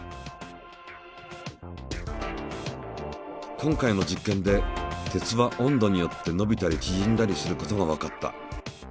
今回の実験で鉄は温度によって伸びたり縮んだりすることがわかった。